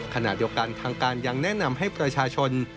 ขณะเดียวกันทางการยังแนะนำให้ประชาชน